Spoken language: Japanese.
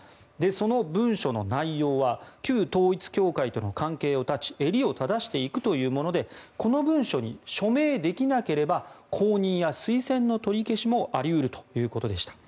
その文書の内容は旧統一教会との関係を断ち襟を正していくというものでこの文書に署名できなければ公認や推薦の取り消しもあり得るということでした。